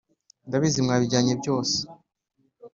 Ndabizi mwabijyanye byose